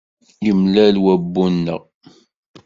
Imlal wabbu-nneɣ.